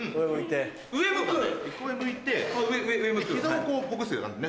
上向いて膝をほぐすような感じね。